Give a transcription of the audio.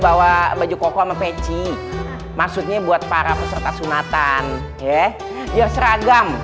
bawa baju koko sama peci maksudnya buat para peserta sunatan ya biar seragam